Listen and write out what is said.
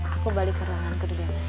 aku balik ke ruangan kedua ya mas